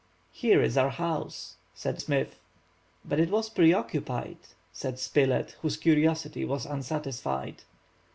"Here is our house," said Smith. "But it was preoccupied," said Spilett, whose curiosity was unsatisfied.